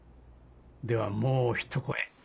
ではもうひと声。